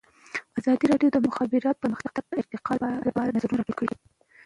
ازادي راډیو د د مخابراتو پرمختګ د ارتقا لپاره نظرونه راټول کړي.